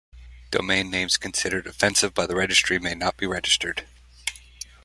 Domain names considered offensive by the registry may not be registered.